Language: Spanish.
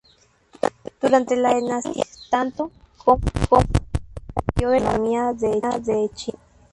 Durante la dinastía Ming, tanto 鮨 como 鮓 desaparecieron de la gastronomía de China.